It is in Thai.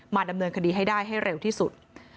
ดำเนินคดีให้ได้ให้เร็วที่สุด